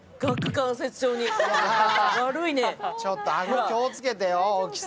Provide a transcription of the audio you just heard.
ちょっと、顎気をつけてよ、大きさ。